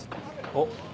おっ。